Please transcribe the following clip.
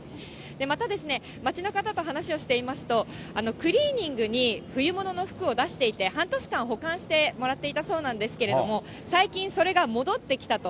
またですね、街の方と話をしていますと、クリーニングに冬物の服を出していて、半年間保管してもらっていたそうなんですけれども、最近、それが戻ってきたと。